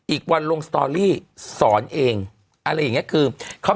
อีกวันลงบทภาษาสอนเองอะไรอย่างนี้คือ